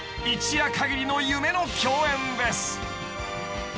一夜限りの夢の共演です］